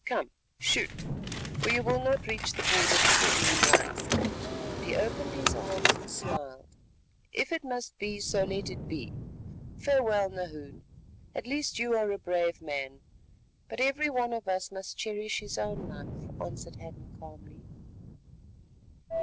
Come, shoot, or you will not reach the border before moonrise," and he opened his arms and smiled. "If it must be, so let it be. Farewell, Nahoon, at least you are a brave man, but every one of us must cherish his own life," answered Hadden calmly.